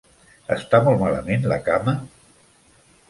Està molt malament la cama?